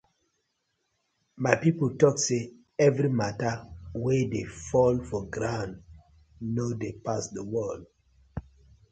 My pipu tok say everi matta wey dey fall for ground no dey pass the world.